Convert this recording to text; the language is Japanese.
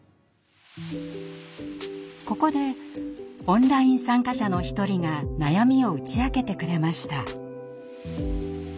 ここでオンライン参加者の一人が悩みを打ち明けてくれました。